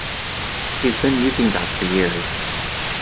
He's been using that for years.